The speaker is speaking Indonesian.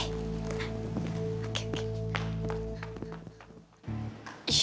ih nyimpelin banget sih